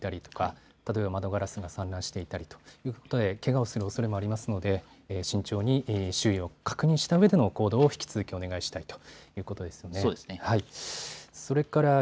思わぬ所に物が落ちていたりとか窓ガラスが散乱していたりということでけがをするおそれもありますので慎重に周囲を確認したうえでの行動を引き続きお願いしたいということです。